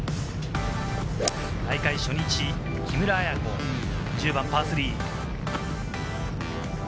大会初日、木村彩子、１０番パー３。